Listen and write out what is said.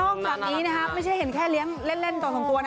นอกจากนี้นะฮะไม่ใช่เห็นแค่เลี้ยงเล่นต่อตัวนะ